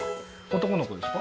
男の子ですか？